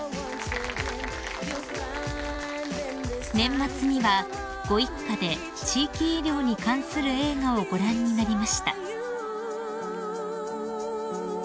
［年末にはご一家で地域医療に関する映画をご覧になりました］